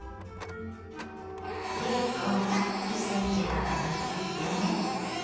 ベーコンは１ｃｍ幅に切ってね。